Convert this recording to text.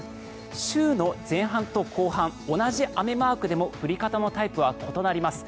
週の前半と後半同じ雨マークでも降り方のタイプは異なります。